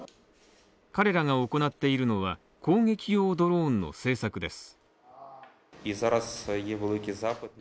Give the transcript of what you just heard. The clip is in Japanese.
彼らが行っているのは、攻撃用ドローンの製作です。